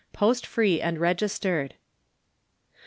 post free and registered. No.